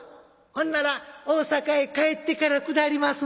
ほんなら大坂へ帰ってから下ります」。